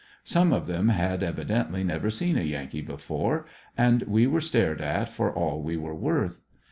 Some of them had evidently never seen a Yankee before, and we were stared at for all we were worth.